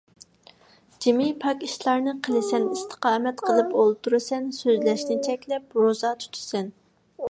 جىمى پاك ئىشلارنى قىلىسەن، ئىستىقامەت قىلىپ ئولتۇرىسەن، سۆزلەشنى چەكلەپ، روزا تۇتىسەن.